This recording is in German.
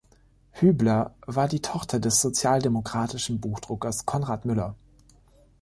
Hübler war die Tochter des sozialdemokratischen Buchdruckers Konrad Müller.